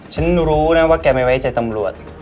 ฉันรู้นะว่าแกไม่ไว้ใจตำรวจ